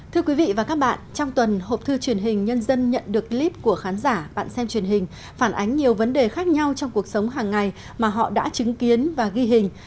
thưa quý vị và các bạn trong tuần hộp thư truyền hình nhân dân nhận được clip của khán giả bạn xem truyền hình phản ánh nhiều vấn đề khác nhau trong cuộc sống hàng ngày mà họ đã chứng kiến và ghi hình